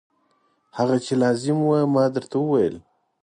هغه چې لازم و ما درته وویل.